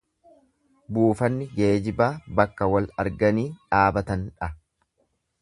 Buufanni geejibaa bakka wal arganii dhaabatan dha.